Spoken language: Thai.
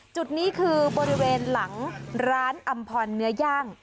จุดนี้คือบริเวณหลังร้านอำพรเนื้อย่าง